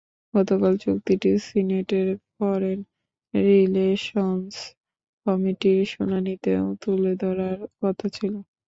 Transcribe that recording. গতকাল চুক্তিটি সিনেটের ফরেন রিলেশনস কমিটির শুনানিতেও তুলে ধরার কথা ছিল।